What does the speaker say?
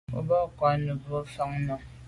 O ba kwa’ mènmebwô fan nà.